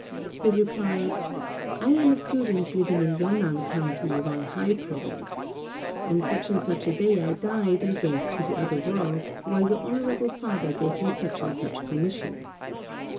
He replied, "I am a student living in Yon nan County, Whang hai Province. On such and such a day I died and went into the other world, where your honorable father gave me such and such a commission."